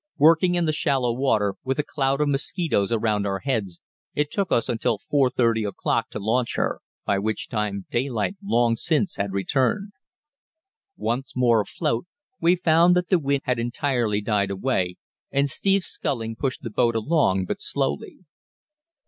Working in the shallow water, with a cloud of mosquitoes around our heads, it took us until 4.30 o'clock to launch her, by which time daylight long since had returned. Once more afloat, we found that the wind had entirely died away, and Steve's sculling pushed the boat along but slowly.